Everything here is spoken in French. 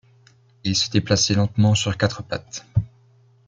Il se déplaçait lentement sur quatre pattes.